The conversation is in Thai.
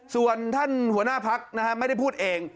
ส่วนท่านหัวหน้าพักไม่ได้พูดเอง